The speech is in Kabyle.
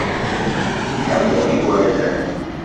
Tḥemmel igerdan.